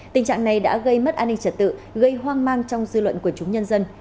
tình trạng này đã gây mất an ninh trật tự gây hoang mang trong dư luận của chúng nhân dân